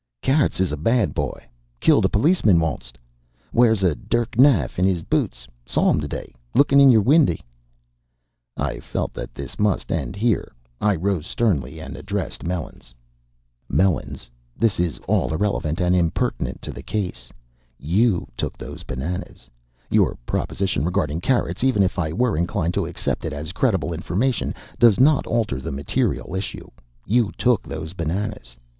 "Carrots is a bad boy. Killed a policeman onct. Wears a dirk knife in his boots, saw him to day looking in your windy." I felt that this must end here. I rose sternly and addressed Melons. "Melons, this is all irrelevant and impertinent to the case. You took those bananas. Your proposition regarding Carrots, even if I were inclined to accept it as credible information, does not alter the material issue. You took those bananas.